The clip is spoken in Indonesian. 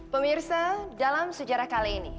pemirsa dalam sejarah kali ini